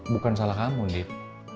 bukan salah kamu dip